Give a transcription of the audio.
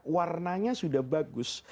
warnanya sudah bagus